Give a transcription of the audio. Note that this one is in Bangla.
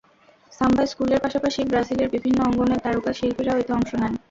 সাম্বা স্কুলের পাশাপাশি ব্রাজিলের বিভিন্ন অঙ্গনের তারকা শিল্পীরাও এতে অংশ নেন।